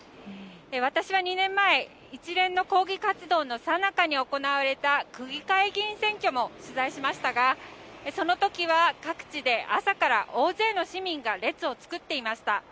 私は２年前一連の抗議活動のさなかに行われた区議会議員選挙も取材しましたがそのときは、各地で朝から大勢の市民が列を作っていました。